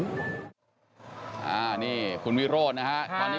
การสุดจัดกับใช่มั้ยกับเพราะว่าเวลาได้แล้วเราคิดอื้อ